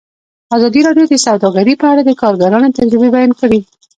ازادي راډیو د سوداګري په اړه د کارګرانو تجربې بیان کړي.